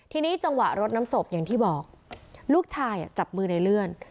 ทีนี้จังหวะรดน้ำศพอย่างที่บอกลูกชายจับมือในเลื่อน